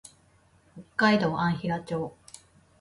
北海道安平町